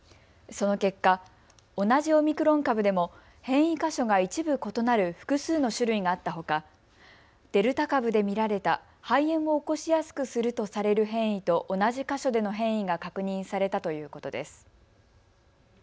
その結果、同じオミクロン株でも変異箇所が一部異なる複数の種類があったほかデルタ株で見られた肺炎を起こしやすくするとされる変異と同じ箇所での変異が確認されたということです。